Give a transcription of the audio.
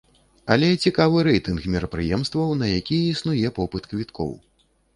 Але цікавы рэйтынг мерапрыемстваў, на якія існуе попыт квіткоў.